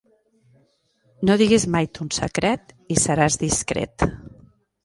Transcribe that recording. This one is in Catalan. No diguis mai ton secret i seràs discret.